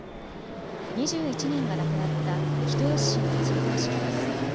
２１人が亡くなった人吉市の追悼式です。